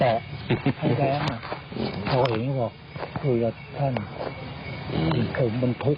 และก็ชุดชุดมีด